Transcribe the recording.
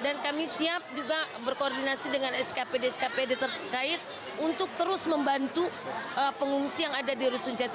kami siap juga berkoordinasi dengan skpd skpd terkait untuk terus membantu pengungsi yang ada di rusun jati